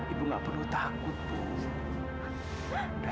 ibu gak perlu takut